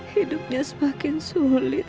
hidupnya semakin sulit